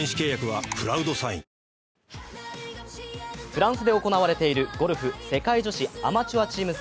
フランスで行われているゴルフ世界女子アマチュアチーム